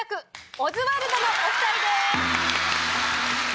オズワルドのお２人です。